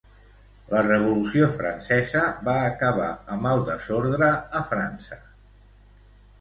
La Revolució francesa va acabar amb el desordre a França.